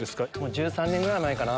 １３年ぐらい前かな